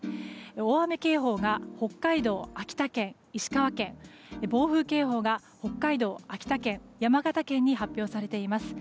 大雨警報が北海道、秋田県、石川県暴風警報が北海道、秋田県山形県に発表されています。